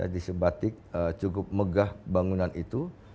di sebatik cukup megah bangunan itu